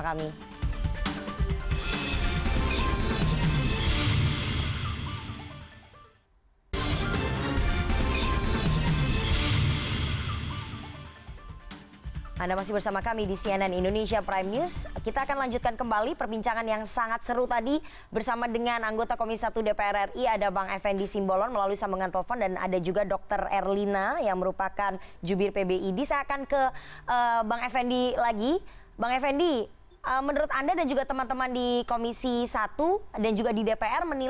kemudian ternyata terbukti